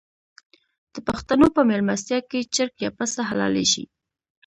د پښتنو په میلمستیا کې چرګ یا پسه حلاليږي.